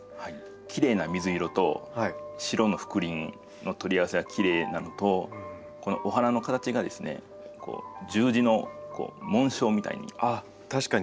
きれいな水色と白の覆輪の取り合わせがきれいなのとこのお花の形が十字の紋章みたいに見えて。